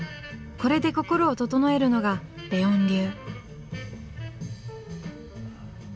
これで心を整えるのがレオン流。